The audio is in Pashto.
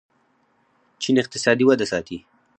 چین اقتصادي وده ساتي.